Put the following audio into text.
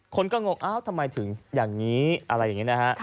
คนก็งงอ้าวทำไมถึงอย่างนี้อะไรอย่างนี้นะฮะ